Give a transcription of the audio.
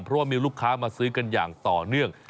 เพราะว่ามีลูกค้ามาซื้อกันอย่างต่อเนื่อง